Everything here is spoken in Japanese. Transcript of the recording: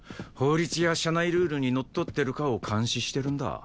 法律や社内ルールに則ってるかを監視してるんだ。